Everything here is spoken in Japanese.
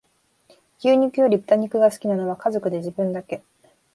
牛肉より豚肉が好きなのは家族で自分だけ